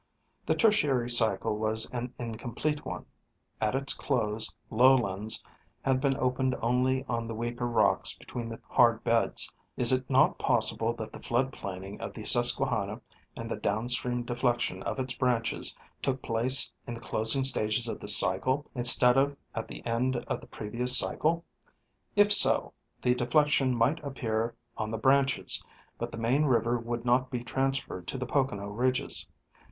The Tertiary cycle was an incomplete one. At its close, lowlands had been opened only on the weaker rocks between the hard beds. Is it not possible that the flood plaining of the Susquehanna and the down stream deflection of its branches took place in the closing stages of this cycle, instead of at the end of the previous cycle ? If so, the deflection might appear on the branches, but the main river would not be transferred to the Pocono ridges.